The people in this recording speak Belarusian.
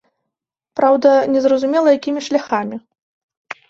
Праўда, незразумела, якімі шляхамі.